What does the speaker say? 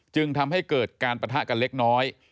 จึงทำให้เกิดการปะทะกันเล็กน้อย